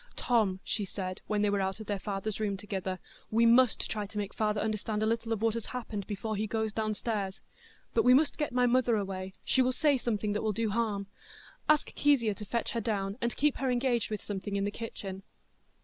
"Tom," she said, when they were out of their father's room together, "we must try to make father understand a little of what has happened before he goes downstairs. But we must get my mother away. She will say something that will do harm. Ask Kezia to fetch her down, and keep her engaged with something in the kitchen."